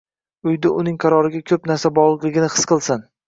uyda uning qaroriga ko‘p narsa bog‘liqligini his qilsin.